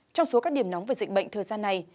trong số các điểm nóng về dịch bệnh thời gian này